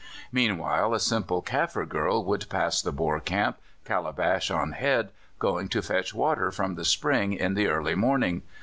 Meanwhile a simple Kaffir girl would pass the Boer camp, calabash on head, going to fetch water from the spring in the early morning.